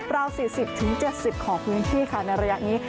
ราว๔๐๗๐ของพื้นที่ค่ะในระยะนี้